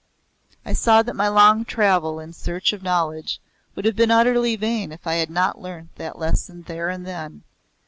I saw that my long travel in search of knowledge would have been utterly vain if I had not learnt that lesson there and then.